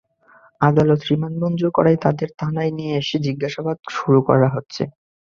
আদালত রিমান্ড মঞ্জুর করায় তাদের থানায় নিয়ে এসে জিজ্ঞাসাবাদ শুরু করা হচ্ছে।